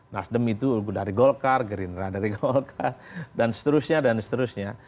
nasdem itu dari golkar gerindra dari golkar dan seterusnya dan seterusnya